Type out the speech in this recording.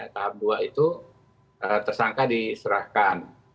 tahap dua itu tersangka diserahkan